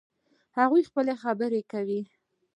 هغوی خپلې خبرې کوي